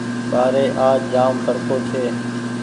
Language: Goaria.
ٻآري آج جآم تڙڪو ڇي۔